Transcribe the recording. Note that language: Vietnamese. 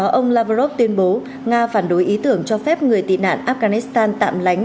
ngoại trưởng nga lavrov tuyên bố nga phản đối ý tưởng cho phép người tị nạn afghanistan tạm lánh